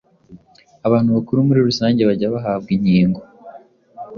Abantu bakuru muri rusange bajya bahabwa inkingo